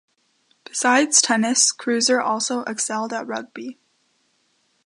Besides tennis, Kreuzer also excelled at rugby.